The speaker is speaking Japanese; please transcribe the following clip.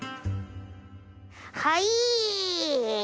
はい。